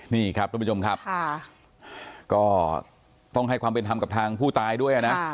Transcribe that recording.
นี่ครับทุกผู้ชมครับก็ต้องให้ความเป็นธรรมกับทางผู้ตายด้วยนะ